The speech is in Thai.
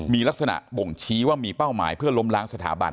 มีลักษณะบ่งชี้ว่ามีเป้าหมายเพื่อล้มล้างสถาบัน